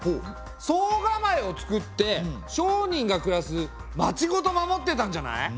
惣構をつくって商人が暮らす町ごと守ってたんじゃない？